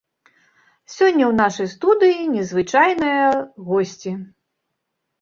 Сёння ў нашай студыі незвычайная госці.